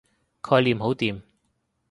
概念好掂